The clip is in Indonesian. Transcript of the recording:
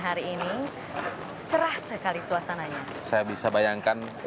hadirin yang kami